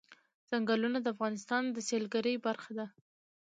ځنګلونه د افغانستان د سیلګرۍ برخه ده.